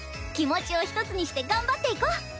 気持ちを一つにして頑張っていこう。